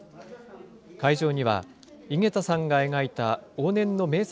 会場には、井桁さんが描いた往年の名作